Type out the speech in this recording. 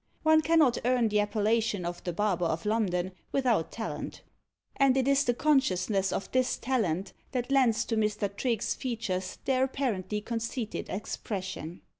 One cannot earn the appellation of the Barber of London without talent; and it is the consciousness of this talent that lends to Mr. Trigge's features their apparently conceited expression.